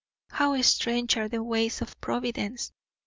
How strange are the ways of Providence!